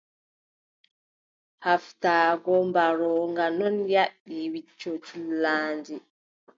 Haaftaago mbarooga non yaaɓti wicco culanndi.